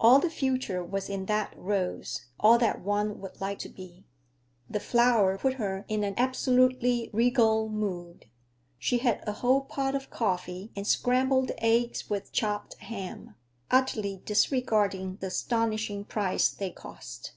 All the future was in that rose, all that one would like to be. The flower put her in an absolutely regal mood. She had a whole pot of coffee, and scrambled eggs with chopped ham, utterly disregarding the astonishing price they cost.